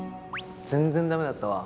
全然ダメだったわ。